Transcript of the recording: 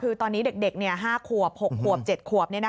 คือตอนนี้เด็กห้าขวบหกขวบเจ็ดขวบ